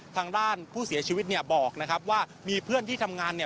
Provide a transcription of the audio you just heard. ทางด้านผู้เสียชีวิตเนี่ยบอกนะครับว่ามีเพื่อนที่ทำงานเนี่ย